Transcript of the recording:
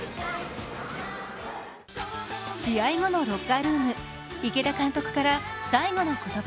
試合後のロッカールーム、池田監督から最後の言葉。